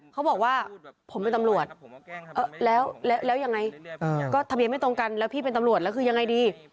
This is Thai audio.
เขาบอกว่าผมเป็นตำรวจแล้วยังไงก็ทะเบียนไม่ตรงกันแล้วพี่เป็นตำรวจแล้วคือยังไงดี